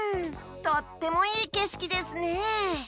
とってもいいけしきですね。